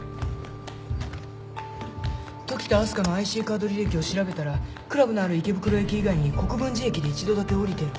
時田明日香のＩＣカード履歴を調べたらクラブのある池袋駅以外に国分寺駅で一度だけ降りてる。